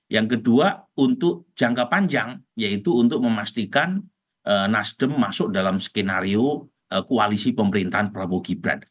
yang kedua untuk jangka panjang yaitu untuk memastikan nasdem masuk dalam skenario koalisi pemerintahan prabowo gibran